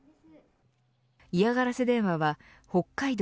嫌がらせ電話は北海道